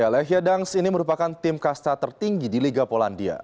lechia dangs ini merupakan tim kasta tertinggi di liga polandia